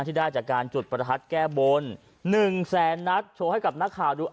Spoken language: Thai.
ที่ได้จากการจุดประทัดแก้บน๑แสนนัดโชว์ให้กับนักข่าวดู